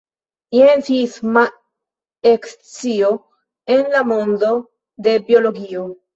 Jen sisma ekscio en la mondo de biologio.